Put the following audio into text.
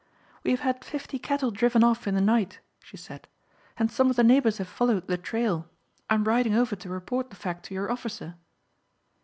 "We have had fifty cattle driven off in the night," she said, "and some of the neighbours have followed the trail. I am riding over to report the fact to your officer."